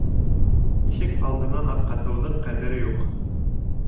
Ишек алдынан аҡҡан һыуҙың ҡәҙере юҡ.